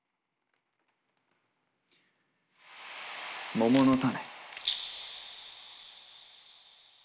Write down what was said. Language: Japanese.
「桃の種」。